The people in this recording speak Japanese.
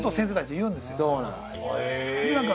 そうなんですえっ